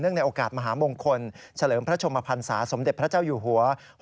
ในโอกาสมหามงคลเฉลิมพระชมพันศาสมเด็จพระเจ้าอยู่หัว